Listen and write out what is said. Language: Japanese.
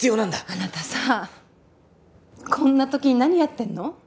あなたさこんな時に何やってんの？